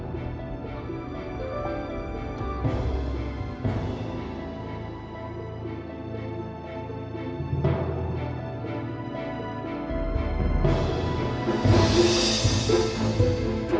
terima kasih pak